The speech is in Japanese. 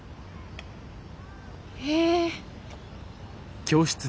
へえ。